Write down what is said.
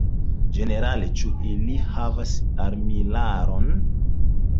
Ĝenerale, ĉu ili havas armilaron?